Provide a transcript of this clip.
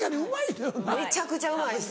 めちゃくちゃうまいです。